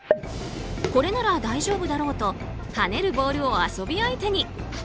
これなら大丈夫だろうと跳ねるボールを遊び相手に。